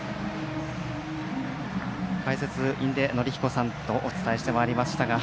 解説は印出順彦さんとお伝えしてまいりました。